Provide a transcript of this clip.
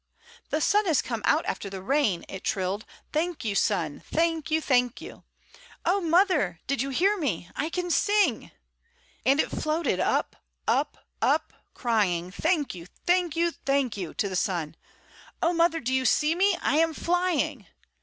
"The sun has come out after the rain," it trilled. "Thank you, sun; thank you, thank you! Oh, mother, did you hear me? I can sing!" And it floated up, up, up, crying, "Thank you, thank you, thank you!" to the sun. "Oh, mother, do you see me? I am flying!"